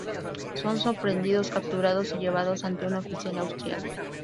Son sorprendidos, capturados y llevados ante un oficial austríaco.